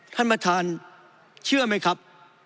ท่านประธานเชื่อไหมครับ